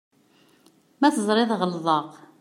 Ma teẓriḍ ɣelḍeɣ.